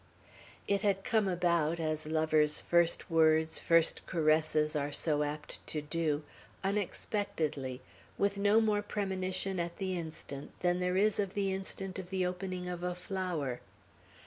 It had come about, as lovers' first words, first caresses, are so apt to do, unexpectedly, with no more premonition, at the instant, than there is of the instant of the opening of a flower.